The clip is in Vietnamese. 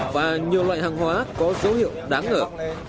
và nhiều loại hàng hóa có dấu hiệu đáng ngờ